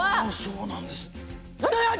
あそうなんですね。